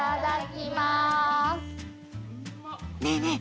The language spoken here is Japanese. ねえねえ